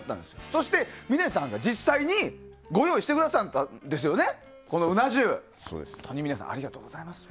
そして峰さんが実際にご用意してくださったんですよね。